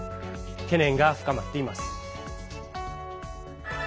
懸念が深まっています。